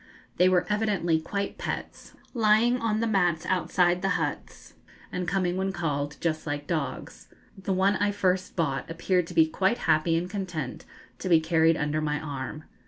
They were evidently quite pets, lying on the mats outside the huts, and coming when called, just like dogs. The one I first bought appeared to be quite happy and content to be carried under my arm.